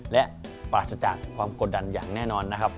และปลาสะจากความกดดันอย่างแน่นอน